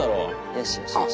よしよしよし。